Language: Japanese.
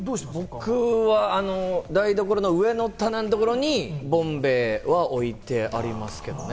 僕は台所の上の棚のところにボンベは置いてありますけれどもね。